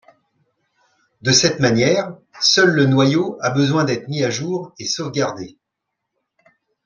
De cette manière, seul le noyau a besoin d'être mis à jour et sauvegardé.